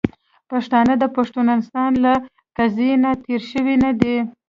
پښتانه د پښتونستان له قضیې نه تیر شوي نه دي .